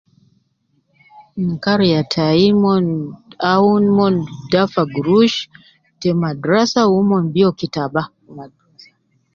Kariya tai mon awun mon dafa gurush te madrasa wu mon biyo kitaba